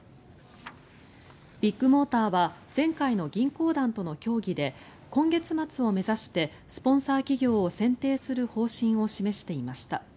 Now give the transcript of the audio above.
ビッグモーターは前回の銀行団との協議で今月末を目指してスポンサー企業を選定する方針を示していました。